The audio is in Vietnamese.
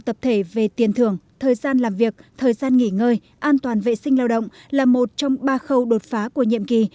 tập thể về tiền thưởng thời gian làm việc thời gian nghỉ ngơi an toàn vệ sinh lao động là một trong ba khâu đột phá của nhiệm kỳ